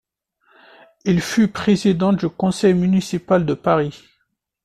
Il fut président du Conseil municipal de Paris.